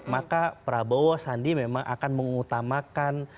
maka prabowo sandi memang akan mengutamakan